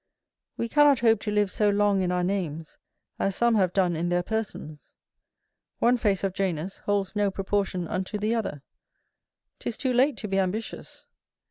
We cannot hope to live so long in our names, as some have done in their persons. One face of Janus holds no proportion unto the other. 'Tis too late to be ambitious.